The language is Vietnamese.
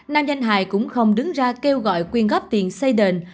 nam danh hài cũng không đứng ra kêu gọi quyên góp tiền xây đền